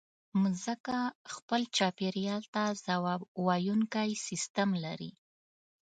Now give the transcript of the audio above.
مځکه خپل چاپېریال ته ځواب ویونکی سیستم لري.